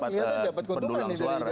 malah dapat pendulang suara